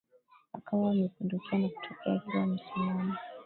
Akawa amepinduka na kutokea akiwa amesimama